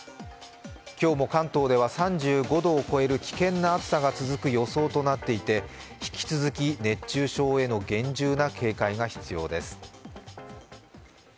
今日も関東では３５度を超える危険な暑さが続くよそうとなっていて引き続き熱中症への厳重な警戒が必要です。